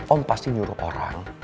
om pasti nyuruh orang